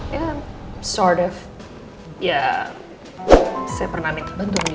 ya sort of ya saya pernah minta bantuan dia